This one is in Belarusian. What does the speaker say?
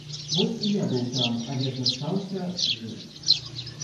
Вось і я быў там, але застаўся жыў.